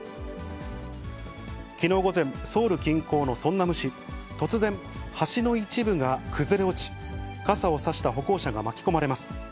きのう午前、ソウル近郊のソンナム市、突然、橋の一部が崩れ落ち、傘を差した歩行者が巻き込まれます。